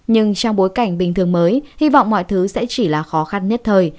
nhưng trong bối cảnh bình thường mới hy vọng mọi thứ sẽ chỉ là khó khăn nhất thời